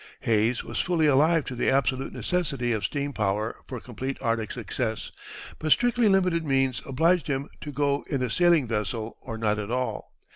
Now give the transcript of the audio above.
Hayes was fully alive to the absolute necessity of steam power for complete Arctic success, but strictly limited means obliged him to go in a sailing vessel or not at all.